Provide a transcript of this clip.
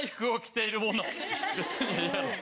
別にええやろと。